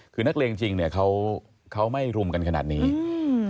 คือนักเลงจริงเนี้ยเขาเขาไม่รุมกันขนาดนี้อืม